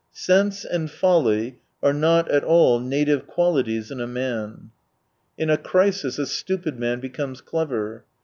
— Sense and folly are not at all native qualities in a man. In a crisis, a stupid man becomes clever.